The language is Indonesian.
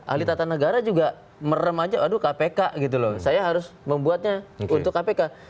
ahli tata negara juga merem aja aduh kpk gitu loh saya harus membuatnya untuk kpk